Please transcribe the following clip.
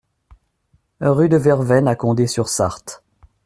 Rue de Vervaine à Condé-sur-Sarthe